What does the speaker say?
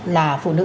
là phụ nữ